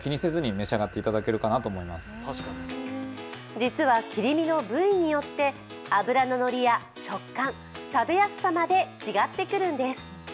実は、切り身の部位によって脂の乗りや食感、食べやすさまで違ってくるんです。